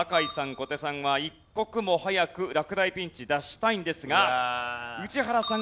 小手さんは一刻も早く落第ピンチ脱したいんですが宇治原さん